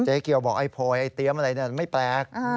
เจ๊เกี๊ยวบอกไอ้โผยไอ้เตี๊ยมอะไรนี่ไม่แปลก